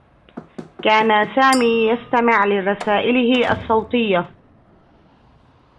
كان سامي يستمع لرسائله الصّوتيّة.